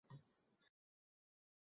Bir boshga bir o`lim